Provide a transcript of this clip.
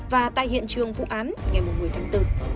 và tại hiện trường vụ án ngày một mươi tháng bốn